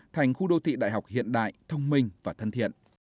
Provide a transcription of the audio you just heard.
thành khu đô thị đại học hiện đại thông minh và thân thiện